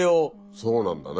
そうなんだね。